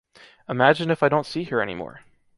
Imagine if I don’t see her anymore.